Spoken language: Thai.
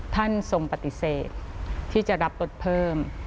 ท่านทรงปฏิเสธที่จะรับรถเพิ่ม